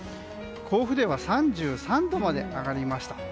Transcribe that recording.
甲府では３３度まで上がりました。